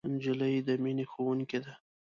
نجلۍ د مینې ښوونکې ده.